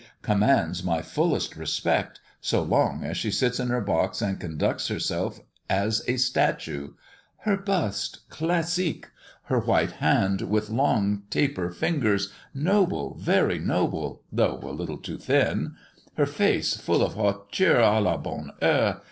commands my fullest respect, so long as she sits in her box and conducts herself as a statue. Her bust classic! Her white hand, with long taper fingers noble very noble though a little too thin; her face, full of hauteur! _à la bonne heure!